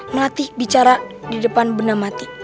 melati bicara di depan benam mati